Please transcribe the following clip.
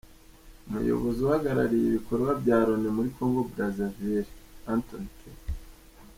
Umuyobozi uhagarariye ibikorwa bya Loni muri Congo Brazzaville, Anthony K.